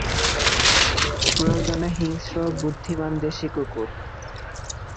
প্রয়োজনে হিংস্র, বুদ্ধিমান দেশী কুকুর।